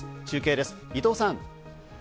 中継です、伊藤さん。